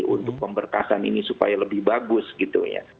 untuk pemberkasan ini supaya lebih bagus gitu ya